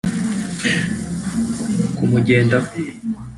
kumugendaho